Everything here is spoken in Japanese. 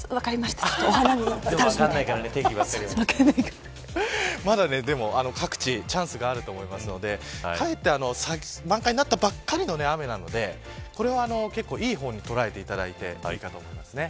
天気ばっかりはまだ各地チャンスがあると思いますので満開になったばかりの雨なのでこれは、いい方に捉えていただいていいと思います。